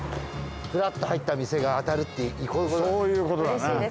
フラッと入った店が当たるってこういうことだな。